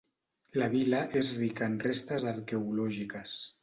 La vila és rica en restes arqueològiques.